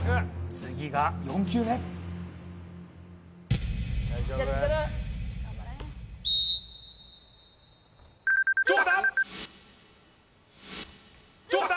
次が４球目どうだ？